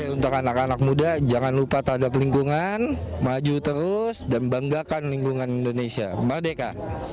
untuk anak anak muda jangan lupa terhadap lingkungan maju terus dan banggakan lingkungan indonesia merdeka